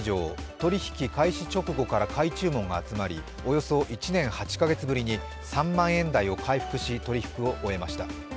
取引開始直後から買い注文が集まりおよそ１年８か月ぶりに３万円台を回復し、取引を終えました。